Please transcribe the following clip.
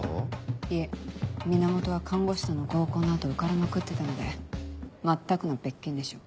いえ源は看護師との合コンの後浮かれまくってたので全くの別件でしょう。